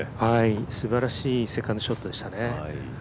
すばらしいセカンドショットでしたね。